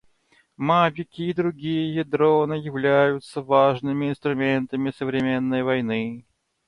Мавики и другие дроны являются важными инструментами современной войны.